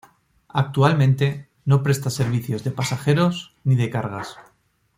Actualmente, no presta servicios de pasajeros ni de cargas.